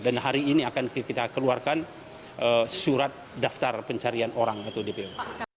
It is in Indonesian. dan hari ini akan kita keluarkan surat daftar pencarian orang atau dpo